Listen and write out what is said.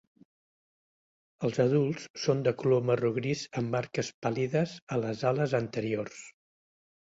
Els adults són de color marró gris amb marques pàl·lides a les ales anteriors.